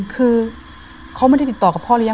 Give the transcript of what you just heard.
คือเขาไม่ได้ติดต่อกับพ่อเลี้ย